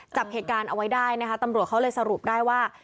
จับเหตุการณ์เอาไว้ได้นะคะตำรวจเขาเลยสรุปได้ว่า